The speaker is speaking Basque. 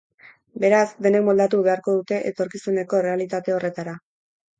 Beraz, denek moldatu beharko dute etorkizuneko errealitate horretara.